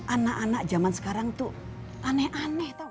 anak anak zaman sekarang tuh aneh aneh